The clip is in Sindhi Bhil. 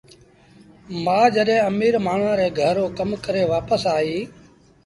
مآ جڏهيݩ اميٚر مآڻهآݩ ري گھرآݩ رو ڪم ڪري وآپس آئيٚ